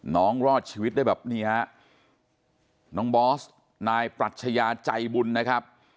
รอดชีวิตได้แบบนี้ฮะน้องบอสนายปรัชญาใจบุญนะครับ